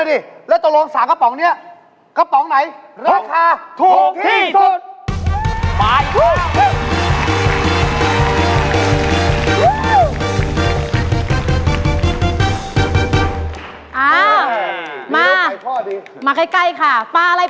นี่แหละโอเคนี่มีเงียบไม่เป็นอะไร